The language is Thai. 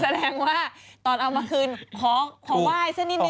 แสดงว่าตอนเอามาคืนขอไหว้สักนิดนึ